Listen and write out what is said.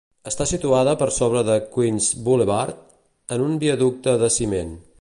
Està situada per sobre de Queens Boulevard, en un viaducte de ciment.